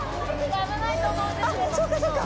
そうかそうか。